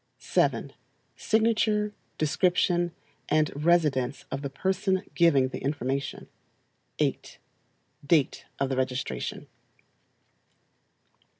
7. Signature, description, and residence of the person giving the information. 8 Date of the registration.